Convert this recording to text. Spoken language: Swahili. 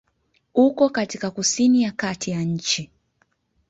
Uko katika kusini ya kati ya nchi.